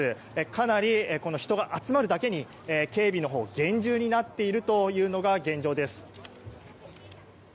かなり人が集まるだけに警備のほう厳重になっているというのが現状です。